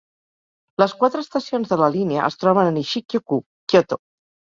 Les quatre estacions de la línia es troben a Nishikyo-ku, Kyoto.